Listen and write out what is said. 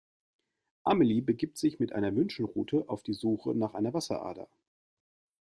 Amelie begibt sich mit einer Wünschelrute auf die Suche nach einer Wasserader.